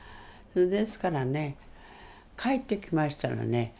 ですからね帰ってきましたらね